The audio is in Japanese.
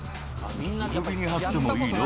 首に貼ってもいいの？